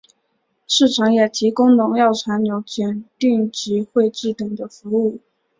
市场也提供农药残留检定及会计等的服务。